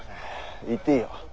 行っていいよ。